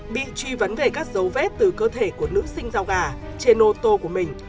bị truy vấn về các dấu vết từ cơ thể của nữ sinh rau gà trên ô tô của mình